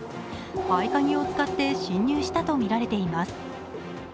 合鍵を使って侵入したとみられています。